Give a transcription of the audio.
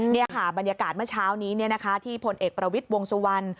นี่ค่ะบรรยากาศเมื่อเช้านี้ที่พลเอกประวิทย์วงสุวรรณ